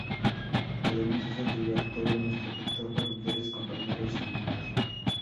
Queremos hacer llegar todo nuestro afecto a familiares, compañeros y amigos.